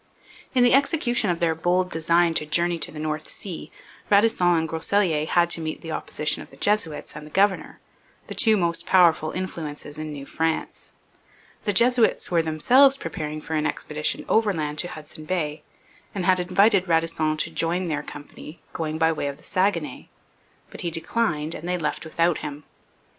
In the execution of their bold design to journey to the North Sea, Radisson and Groseilliers had to meet the opposition of the Jesuits and the governor the two most powerful influences in New France. The Jesuits were themselves preparing for an expedition overland to Hudson Bay and had invited Radisson to join their company going by way of the Saguenay; but he declined, and they left without him.